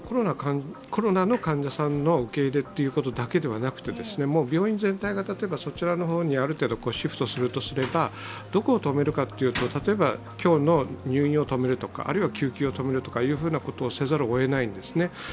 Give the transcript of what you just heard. コロナの患者さんの受け入れだけではなくて病院全体が例えばそちらの方にある程度シフトするとすればどこを止めるかというと今日の入院を止めるとかあるいは救急を止めるということをせざるをえないんですよね。